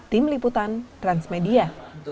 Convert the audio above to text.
tim liputan transmedia